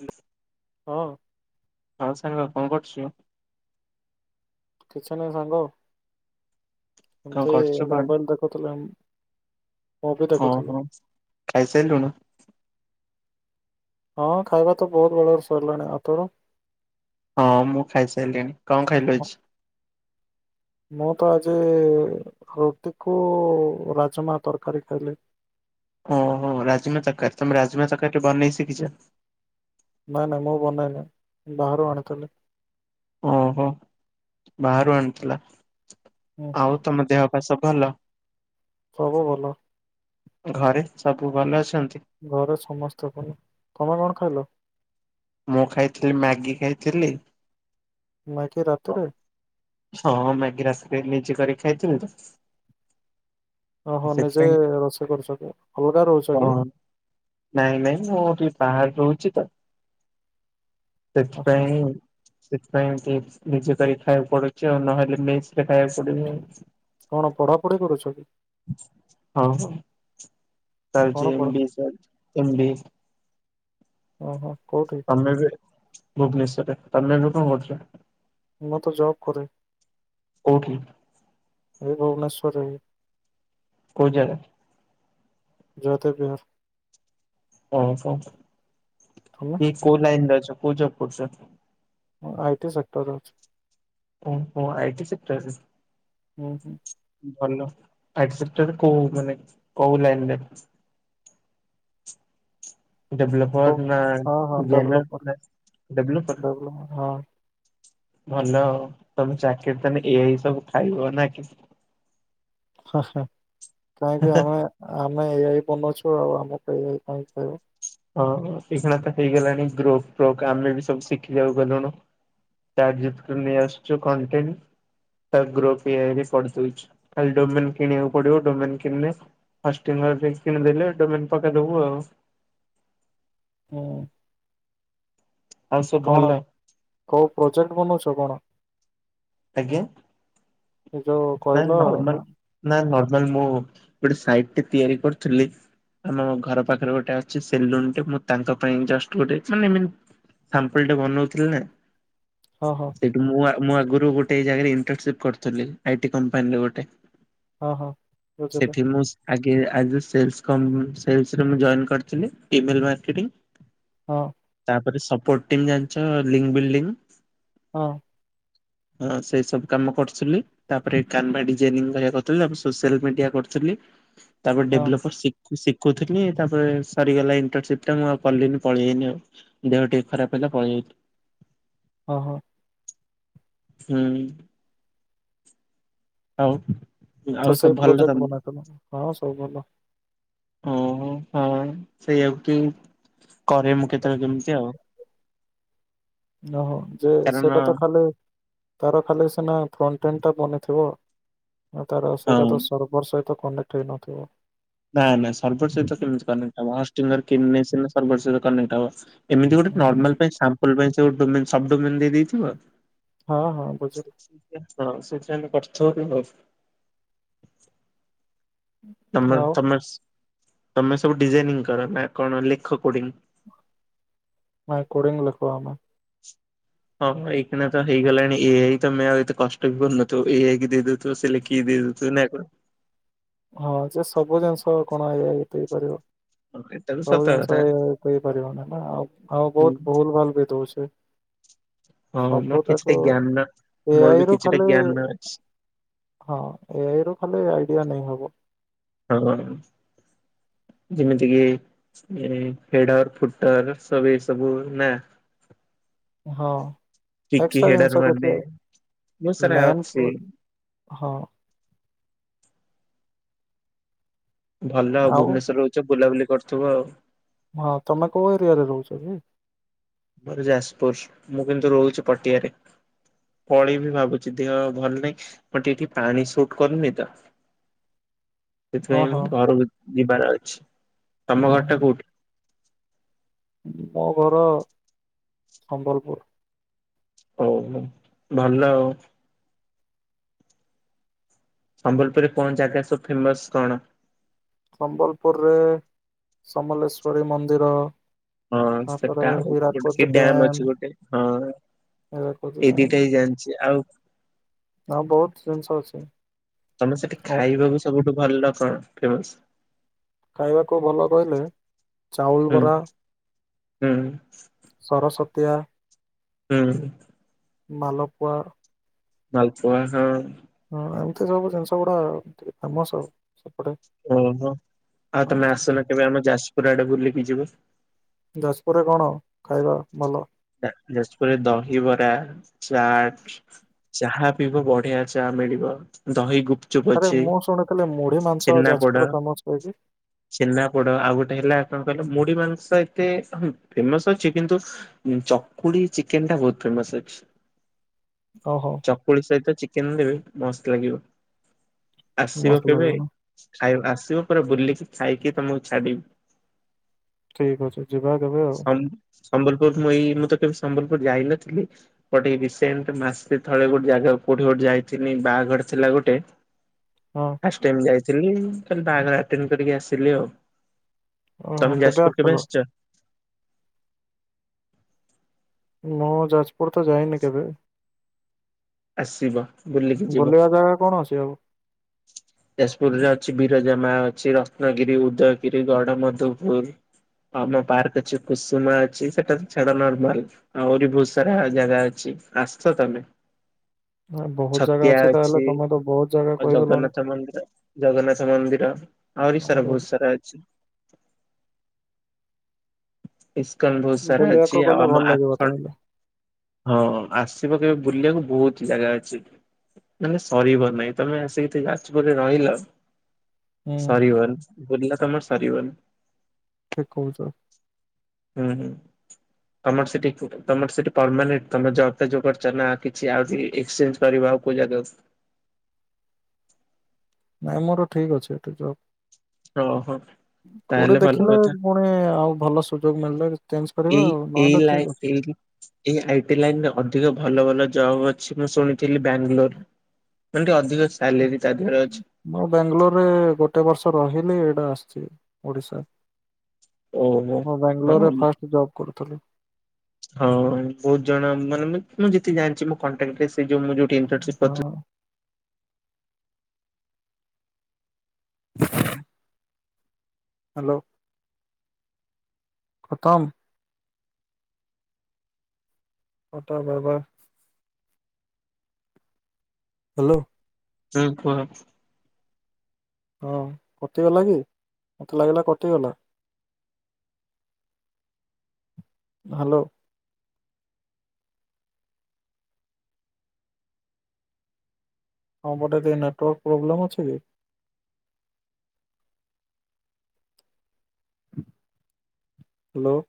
ମାଲୋ। ହଁ। ହଁ ସାଙ୍ଗ କଣ କରୁଛୁ? କିଛି ନାହି ସାଙ୍ଗ। କଣ ଏମିତି କରୁଛୁ କଣ ମୋବାଇଲ ଦେଖୁଥିଲେ ଆମ ମୁଭି ଦେଖୁଥିଲୁ ଖାଇ ସାଇଲୁଣୁ? ହଁ ଖାଇବା ତ ବହୁତ୍ ବେଳରୁ ସରିଲାଣି ଆଉତୋର? ହଁ ମୁଁ ଖାଇସାଇଲିଣି କଣ ଖାଇଲୁ ହଁ, ଅଜି? ମୁଁ ତ ଆଜି ରୁଟିକୁ ରାଜମା ତରକାରୀ ଖାଇଲି। ଓହୋ ରାଜମା ଚକର ତମେ ରାଜମା ଚକର କିଏ ବନେଇ ଶିଖିଚ? ନାଇଁ ନାଇଁ ମୁଁ ବନେଇନି ବାହାରୁ ଆଣିଥିଲି। ଓହୋ ବାହାରୁ ଆଣିଥିଲା ହୁଁ ହୁଁ। ଆଉ ତମ ଦେହପା ସବୁ ଭଲ? ସବୁ ଭଲ। ଘରେ ସବୁ ଭଲ ଅଛନ୍ତି? ଘରେ ସମସ୍ତ ପୁଣି, ତମେ କଣ ଖାଇଲ? ମୁଁ ଖାଇଥିଲି ମ୍ୟାଗି ଖାଇଥିଲି ମାଇକି ରାତିରେ ହଁ ମ୍ୟାଗି ରାସ୍ ନିଜେ କରିକି ଖାଇଥିଲି ତ। ଓ ହୋ ନିଜେ ସେଥିପାଇଁ ରୋଷେଇ କରୁଛ କି, ଅଲଗା ରହୁଛ ହଁ କି? ନାଇଁ ନାଇଁ ମୁଁ ଟିକେ ବାହାରେ ରହୁଛି ତ। ଓହୋ ସେଥିପାଇଁ [unintelligible] ସେଥିପାଇଁ ଟ ନିଜେ କରିକି ଖାଇବାକୁ ପଡୁଛି ଆଉ ନହେଲେ ମେରେ ଖାଇବାକୁ ପଡୁନି। କଣ ପଢାପଢି କରୁଛ କି? ହଉ ହଉ ହଁ କଣ ହୁଁ ପଢ ତା [unintelligible] ଓ ହୋ କୋଉଠି? ତମେ ଏବେ ଭୁବନେଶ୍ୱରରେ ତମେ ଏବେ କଣ କରୁଥିଲ? ମୁ ତ ଜବ୍ କରେ। କୋଉଠି? ଏଇ ଭୁବନେଶ୍ୱରରେ। କୋଉ ଜାଗା? ମୁଁ ତ ଦିହ ଓ ହୋ ତମେ? ଇଏ କୋଉ ଲାଇନ୍ ରେ ଅଛ, କୋଉ ଜବ କରୁଚ? ମୁଁ ଆଇଟି ସେକ୍ଟରେ ଅଛି। ଓ ହ ଆଇଟି ସିପ୍ରାଶିସୀ। ହୁଁ ହୁଁ। ଭଲ ଆକ୍ସ୍ପେଟେଡ, କୋଉ ମାନେ କୋଉ ଲାଇନ୍ ରେ? ଡେବ୍ଲଫର ହଉ। ନା ହଁ ଜେର୍ନାଲ ନା ଡେବ୍ଲଫର। ଭଲ ହଁ। ଭଲ ତମେ ଚାକିରି ତାନେ ଏଇ ଏଇ ସବୁ ଖାଇବ ନା କି। କାଇଁକି ଆମେ ଆମେ ଏଆଇ ବନଉଛୁ ଆଉ ଆମକୁ ଏଇଆଇ କାହିଁ ଖାଇବ ‌। ହଁ ଏଇଖେଣା ତ ହେଇଗଲାଣି ଗ୍ରୋପେ ପ୍ରେଗ୍ରାମରେ ବି ସବୁ ଶିଖିବାକୁ ଗଲୁଣୁ। ଚାଟ୍ ଜିପିଟିରୁ ନେଇ ଆସୁଚୁ କଣ୍ଟେଣ୍ଟ୍। ଗ୍ର [unintelligible] ପଛି ଖାଲି ଡୋମନ୍ କିଣିବାକୁ ପଡିବ ଡୋମନ୍ କିଣିଲେ ଫାଷ୍ଟିିନ୍ରରେ ଡ୍ରିଙ୍କ୍ସ୍ କିଣି ଦେଲେ ଡୋମିନ ପକେଇଦବୁ ଆଉ। ହୁଁ ଆଉ ସବୁ ଭଲ କଣ କୋଉ ପ୍ରୋଜେକ୍ଟ ବନଉଚ କଣ? ଆଜ୍ଞା। ଏ ଯୋଉ ନା କହିଲ ନର୍ମାଲ ନା- ନା ନର୍ମାଲ ମୁଁ ଗୋଟେ ସାଇଟ ତିଆରି କରୁଥିଲି ଆମ ଘର ପାଖରେ ଗୋଟେ ଅଛି ସେଲୁନ ଟେ ମୁଁ ତାଙ୍କ ପାଇଁ ଜଷ୍ଟ ଗୋଟେ ମାନେ ଏମିତି ସାମ୍ପଲ ଟେ ବନଉଥିଲେ ନା ହଁ ହଁ। ସେଠୁ ମୁଁ ଆ ମୁଁ ଆଗରୁ ଗୋଟେ ଜାଗାରେ ଇଂଟରସିପ କରୁଥିଲି। ଆଇ ଟୀ କମ୍ପାନୀରେ ଗୋଟେ। ହଁ ହଁ। ବୁଝିଲି ସେଠି ମୁଁ ଆଗେ ଆଇଯେ ସେଲସ କମ୍ପ ସେଲସରେ ମୁଁ ଜଏନ କରିଥିଲି। Email marketing. ହଁ। ତାପରେ ସପୋଟିମ୍ ଜାଣିଛ ଲିଙ୍ଗ ବିଲଡିଙ୍ଗ? ହଁ। ହଁ ସେଇ ସବୁ କାମ କରୁଥିଲି। ତାପରେ କାନଭା ଡିଜାଇନିଂ କରୁଥିଲି। ତାପରେ ସୋସିଆଲ ମିଡିଆ କରୁଥିଲି। ତାପରେ ହଁ ଡେଭଲପର ଶିଖୁଥିଲି। ତାପରେ ସରିଗଲା ଇଣ୍ଟରନସିପ ଟା ମୁଁ ଆଉ କଲିିନି ପଳେଇନି ଆଉ। ଦେହ ଟିକେ ଖରାପ ହେଲା ପଳେଇଆଇଲି। ଓ ହୋ। ହୁଁ। ଆଉ। ଆଉ ତ ସବୁ ସେଇ ଭଲ ତମ ପ୍ରୋଜେକ୍ଟ ମନାକଲେ ହଁ ସବୁ ଭଲ। ଓହୋ ହଁ ସେଇଆକୁ କି କରେ ମୁଁ କେତେବେଳେ କେମିତି ଆଉ। ଓହୋ ଯେ କାରଣ ସେଟା ତ ଖାଲି ତାର ଖାଲି ସିନା ଫ୍ରଣ୍ଟ ଏଣ୍ଡ ଟା ବନିଥିବ ତାର ସେଇଟା ହଁ। ତ ସର୍ଭର ସହିତ କନେକ୍ଟ ହେଇନଥିବ। ନା ନା ସର୍ଭର ସହିତ କେମିତି କନେଟ ହବ। [unintelligible] ସର୍ଭର ସହିତ କନେଟ ହବ। ଏମିତି ଗୋଟେ ହୁଁ। ନର୍ମାଲ ପାଇଁ ସାମ୍ପୂଲ୍ ପାଇଁ ସବ ଡୋମେନ୍ ଦେଇ ଦେଇଥିବ। ହଁ ହଁ ବୁଝିଲି ସେ ହଁ ସେଥିରେ ଆମେ କରିଥିବ ଆଉ। ତମର ଆଉ ତମେ ତମେ ସବୁ ଡିଜାଇନିଂ କର ନା କଣ ଲେଖ କୋଡିଙ୍ଗ? [unintelligible] ହଁ ପା ଏଇ ଖିନା ତ ହେଇଗଲାଣି ଏ ଆଇ ତମେ ଆଉ ଏତେ କଷ୍ଟ ବି କରୁନ ଥିବ ଏ ଆଇ କି ଦେଇ ଦ ତ ସେ ଲେଖିକି ଦେଇ ଦଉ ଥିବ ନା କଣ? ହଁ ସେ ସବୁ ଜିନିଷ କଣ ଏ ଆଇ କରି ପାରିବ। ଓକେ ସବୁ ଜିନିଷ ଏ ଆଇ କରିପାରିବନି ନା ଆଉ ଆଉ ହୁଁ ବୋହୁତ ଭୁଲ ଭାଲ ବି ଦଉଛି। ହଁ ମୋର ସବୁ କିଛିଟା ତାକୁ ଜ୍ଞାନ ଏ ମୋର ବି ଆଇ ରୁ କିଛିଟା ଖାଲି ଜ୍ଞାନ ଅଛି ହଁ ଏ ଆଇ ରୁ ଖାଲି ଆଇଡିଆ ନେଇ ହବ। ହଁ ଯେମିତି କିି ଫେଡର ଫୁଟର ସବ ଏ ସବୁ ନା? ହଁ ଟିକି ଏସଟ୍ରା ହେଡର ଜିନିଷ ମାନେ କିଛି ବହୁତ ସାରା ଅଛି ମେୟାନପୁୁର। ହଁ ଭଲ ଆଉ ଭୁବନେଶ୍ଵରରେ ରହୁଛ ବୁଲାବୁଲି କରିଥିବ ଆଉ। ହଁ ତମେ କୋଉ ଏରିଆରେ ରହୁଛ କି? ମୋର ଯାଜପୁର ମୁଁ କିନ୍ତୁ ରହୁଛି ପଟିଆରେ। ପଳେଇ ବିି ଭାବୁଛି ଦେହ ଭଲ ନାହିଁ ମୁଁ ଟି ଏଠି ପାଣି ସୁଟ୍ କରୁନି ତ। ହଁ ସେଥିପାଇଁ ହଁ ଘରକୁ ଯିବାର ଅଛି ତମ ହଁ ଘର ହଁ ଟା କୋଉଠି? ମୋ ଘର ସମ୍ବଲପୁର। ଓ ହୋ ଭଲ ଆଉ। ସମ୍ବଲପୁରରେ କଣ ଜାଗା ସବୁ ଫେମସ୍ କଣ? ସମ୍ବଲପୁର ରେ ସମଲେଶ୍ଵରୀ ମନ୍ଦିର ହଁ ତାପରେ ସେଟା ଆଉ ଗୋଟେ ହୀରାକୁଦ କି ଡ୍ୟାମ ଅଛି ଗୋଟେ। ହୀରାକୁଦ ଏଇ ଡ୍ୟାମ ଦିଟା ହିଁ ଜାନଛି ଆଉ ଆଉ ବୋହୁତ ଜିନିଷ ଅଛି। ତମେ ସେଠି ଓ ଖାଇବାକୁ ସବୁଠୁ ଭଲ କଣ ଫେମସ? ଖାଇବାକୁ ଭଲ କହିଲେ ଚାଉଲ ହୁଁ ବରା। ହୁଁ ସରସ୍ୱତୀଆ ହୁଁ ମଲପୁଆ ମାଲପୁଆ ହଁ। ହଁ ଏମିତି ସବୁ ଜିନିଷ ଗୁଡା ଟିକେ ଫେମସ୍ ଆଉ। ସେପଟେ ଓ ହୋ ଆଉ ତମେ ଖାଆନ୍ତି ଆସୁନା କେବେ ଆମ ଯାଜପୁର ଆଡେ ବୁଲିକି ଯିବ। ଯାଜପୁରରେ କଣ ଖାଇବା ଭଲ? ଯାଜପୁରରେ ଦହିବରା ଚାଟ୍ ଚାହା ପିଇବ ବଢିଆ ଚାହା ମିଳିବ ଦହି ଗୁ ଆରେ ମୁଁ ଶୁଣିଥିଲି ମୁଢି ମାଂସ ଛେନାପୋଡ ଯାଜପୁର ଫେମସ୍ ହୁଏକି? ଛେନାପୋଡ ଆଉ ଗୋଟେ ହେଲା କଣ କହିଲ ମୁଢି ମାଂସ ଏତେ ଫେମସ୍ ଅଛି କିନ୍ତୁ ଚକୁଡି ଚିକେନ ଟା ବହୁତ ଫେମସ୍ ଅଛି। ଓ ହୋ ଚକୁଳି ସହିତ ଚିକେନ ଦେବେ ମସ୍ତ ଲାଗିବ ଆସିବ। ମସ୍ତ କେବେ ଲାଗିବ ନା ଖାଇ ଆସିବ ପୁରା ବୁଲିକି ଖାଇକି ତମକୁ ଛାଡିବୁ। ଠିକ ଅଛି ଯିବା କେବେ ଆଉ। ସମ ସମ୍ବଲପୁର ମୁଁ ଏଇ ମୁଁ ତ କେବେ ସମ୍ବଲପୁର ଯାଇନଥିଲି ବଟ ଏଇ ରିସେଣ୍ଟ ମାସେ ତଳେ ଗୋଟେ ଜାଗାକୁ କୋଉଠି କି ଗୋଟେ ଯାଇଥିନି ବାହାଘର ଥିଲା ଗୋଟେ ହଁ। ଫାର୍ଷ୍ଟ ଟାଇମ ଯାଇଥିଲି ଖାଲି ବାହାଘର ଆଟେଣ୍ଡ କରିକି ଆସିଲି ଆଉ। ଓହୋ ତମେ ଯାଜପୁର କେବେ ଆସିଥିଲ ଆସିଛ? ମୁଁ ଯାଜପୁର ତ ଯାଇନି କେବେ। ଆସିବ ବୁଲିକି ଯିବ। ବୁଲିବା ଜାଗା କଣ ଆସି ହବ। ଯାଜପୁରରେ ଅଛି ବିରଜା ମା ଅଛି ରତ୍ନଗିରି, ଉଦୟଗିରି, ଗଡ଼ ମଧୁପୁର। ଆମ ପାର୍କ ଅଛି କୁସୁମା ଅଛି ସେଟା ତ ଛାଡ ନର୍ମାଲ। ଆହୁରି ବହୁତ ସାରା ଜାଗା ଅଛି ଆସ ତମେ। ନାହିଁ ବହୁତ ଜାଗା ଅଛି ତାହେଲେ ତମେ ତ ବହୁତ ଜାଗା ଆଉ କହି ଦେଲଣି। ଜଗନ୍ନାଥ ମନ୍ଦିର ଜଗନ୍ନାଥ ମନ୍ଦିର ଆହୁରି ସାରା ଆରେ ବହୁତ ସାରା ଅଛି। ଇସ୍କନ ବହୁତ ସାରା ଅଛି ବୁଲିବାକୁ ଆଉ ଗଲେ ଆମ ଭଲ ଲାଗିବ ଆଖଣ୍ଡ ତାହେଲେ ହଁ ଆସିବ କେବେ ବୁଲିବାକୁ ବହୁତହି ଜାଗା ଅଛି। ମାନେ ସରିବ ନାଇଁ ତମେ ଆସିକି ଏଠି ଯାଜପୁରରେ ରହିଲ। ହୁଁ ସରିବନି ବୁଲିଲେ ତମର ସରିବନି। ଠିକ କହୁଛ। ହୁଁ ହୁଁ। ତମର ସେଠି ତମର ସେଠି ପରମାନେଣ୍ଟ୍ ତମ ଜବ ଟା ଯୋଉ କରିଛ ନା କିଛି ଆଉ କିଛି ଏକ୍ସଚେଞ୍ଜ। କରିବ ଆଉ କୋଉ ଜାଗାକୁ। ନାଇଁ ମୋର ଠିକ୍ ଅଛି ଏଠି ଜବ୍। ଓହୋ। କୋଉଠି ତାହେଲେ ଭଲ ଦେଖିଲେ କଥା ପୁଣି ଆଉ ଭଲ ସୁଯୋଗ ମିଳିଲେ ଚେଞ୍ଜ କରିବା ଏଇ ଆଉ ଏଇ ନହେଲେ ଲାଇ ଠିକ ଅଛି। ଏଇ ଏଇ ଆଇଟି ଲାଇନ ରେ ଅଧିକ ଭଲ ଭଲ ଜବ ଅଛି ମୁଁ ଶୁଣିଥିଲି ବାଙ୍ଗାଲୋର। ମାନ ଟିକେ ଅଧିକ ସାଲେରୀ ତା ଦେହରେ ଅଛି। ମୁଁ ବାଙ୍ଗାଲୋର ରେ ଗୋଟେ ବର୍ଷ ରହିଲି ଏଇଟା ଆସିଛି ଓଡିଶା। ଓହୋ ମୁଁ ବାଙ୍ଗାଲୋର ହଁ ରେ ଫାଷ୍ଟ ଜବ କରୁଥିଲି। ହଁ ବହୁତ ଜଣ ମାନେ ମୁଁ ଯେତିକି ଜାଣିଛି ମୁଁ କଣ୍ଟାକ୍ଟରେ ମୁଁ ସେ ଯୋଉ ମୁଁ ଯୋଉଠି ଇନଟର୍ନସିପ୍ ହଁ କରୁଥିଲି। ହ ହାଲୋ। ଉତମ। Tata bye bye. ହାଲୋ। ହୁଁ କୁହ। ହଁ କଟିଗଲା କି ମୋତେ ଲାଗିଲା କଟିଗଲା। ହାଲୋ। ତମ ପାଟେ ଟିକେ ନେଟୱାର୍କ ପ୍ରୋବ୍ଲେମ ଅଛି କି। ହାଲୋ।